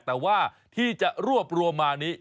แต่ว่าที่จะรวบรวมมานี้